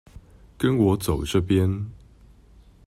跟我走這邊